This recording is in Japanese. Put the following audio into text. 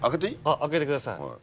開けてください。